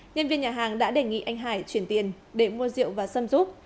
nhân viên nhà hàng đã đề nghị anh hải chuyển tiền để mua rượu và xâm giúp